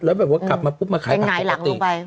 แล้วแบบว่ากลับมาปุ๊บมาขายผักปกติ